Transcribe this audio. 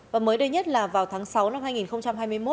và mới đây nhất là vào tháng sáu năm hai nghìn hai mươi một